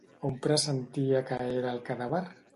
On pressentia que era el cadàver?